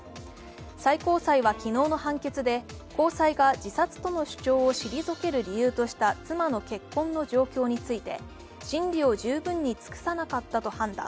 最高裁は昨日の判決で、高裁が自殺との主張を退ける理由とした妻の血痕の状況について審理を十分に尽くさなかったと判断。